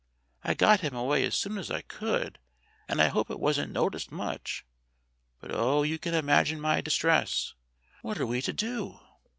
I got him away as soon as I could, and I hope it wasn't noticed much. But, oh, you can imagine my distress! What are we to do